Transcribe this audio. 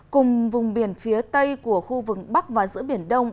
cùng vùng biển phía tây của khu vực bắc và giữa biển đông